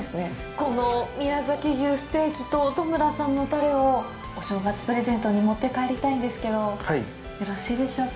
この宮崎牛ステーキと戸村さんのタレをお正月プレゼントに持って帰りたいんですけどよろしいでしょうか？